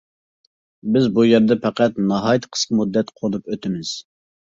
بىز بۇ يەردە پەقەت ناھايىتى قىسقا مۇددەت قونۇپ ئۆتىمىز.